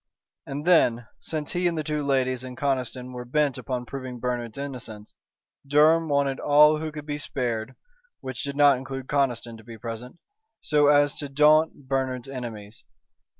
And then, since he and the two ladies and Conniston were bent upon proving Bernard's innocence, Durham wanted all who could be spared which did not include Conniston to be present, so as to daunt Bernard's enemies.